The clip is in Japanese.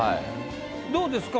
どうですか？